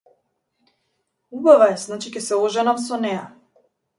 Убава е значи ќе се оженам со неа.